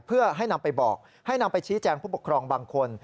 เพื่อให้นำไปบอกให้นำไปชี้แจงผู้ปกครองบางคน